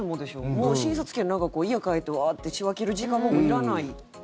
もう診察券、家帰ってワーッて仕分ける時間もいらない。